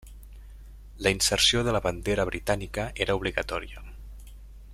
La inserció de la bandera britànica era obligatòria.